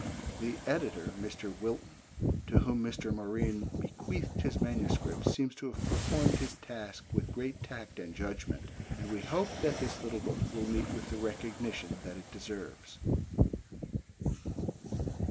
The editor, Mr. Wilton, to whom Mr. Morine bequeathed his manuscripts, seems to have performed his task with great tact and judgment, and we hope that this little book will meet with the recognition that it deserves.